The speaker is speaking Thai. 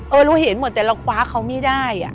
รู้เห็นหมดแต่เราคว้าเขาไม่ได้